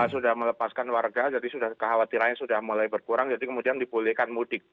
sudah melepaskan warga jadi sudah kekhawatirannya sudah mulai berkurang jadi kemudian dibolehkan mudik